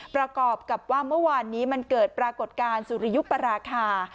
ประกอบกับว่าเมื่อวานนี้มันเกิดปรากฏการณ์สุริยุปราคา